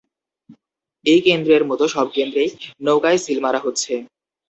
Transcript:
এই কেন্দ্রের মতো সব কেন্দ্রেই নৌকায় সিল মারা হচ্ছে।